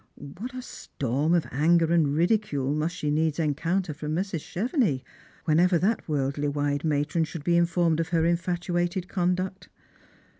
What a storm of anger and ridicule must she needs encounter from Mrs. Chevenix, whenever that worldly wise matron should be informed of her infatuated conduct